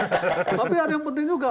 tapi ada yang penting juga